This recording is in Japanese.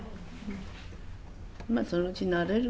まあそのうち慣れるでしょ。